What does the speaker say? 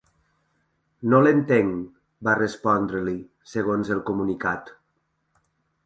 No l’entenc, va respondre-li, segons el comunicat.